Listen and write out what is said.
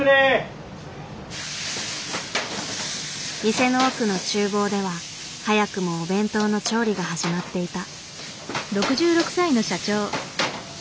店の奥の厨房では早くもお弁当の調理が始まっていた。